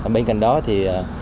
bên cạnh đó thì